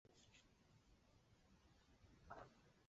香港小特首由香港小童群益会主办。